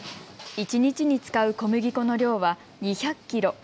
一日に使う小麦粉の量は２００キロ。